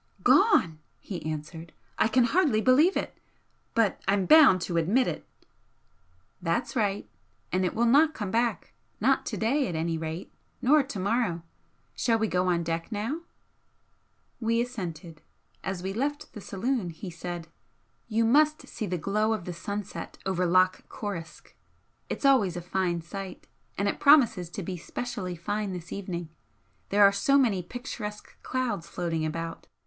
"Gone!" he answered "I can hardly believe it but I'm bound to admit it!" "That's right! And it will not come back not to day, at any rate, nor to morrow. Shall we go on deck now?" We assented. As we left the saloon he said: "You must see the glow of the sunset over Loch Coruisk. It's always a fine sight and it promises to be specially fine this evening, there are so many picturesque clouds floating about.